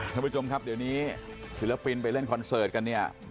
ท่านผู้ชมครับเดี๋ยวนี้ศิลปินไปเล่นคอนเสิร์ตกันเนี่ย